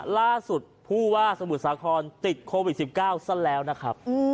ล่าสุดผู้ว่าสมุทรสาครติดโควิด๑๙ซะแล้วนะครับ